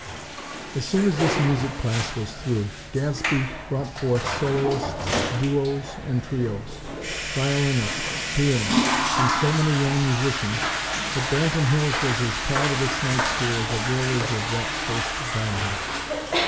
As soon as this music class was through, Gadsby brought forth soloists, duos and trios; violinists, pianists, and so many young musicians that Branton Hills was as proud of its night school as a girl is of "that first diamond."